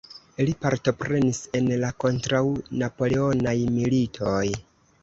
Li partoprenis en la kontraŭ-Napoleonaj militoj.